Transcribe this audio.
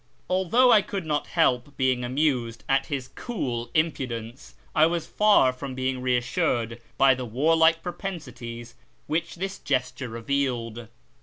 Although I could not help being amused at his cool impudence, I was far from being reassured by the warlike propensities which this gesture revealed.